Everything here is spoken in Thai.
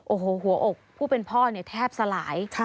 โอ้โหหัวอกผู้เป็นพ่อเนี่ยแทบสลาย